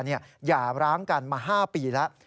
หย่าร้างกันมา๕ปีแล้ว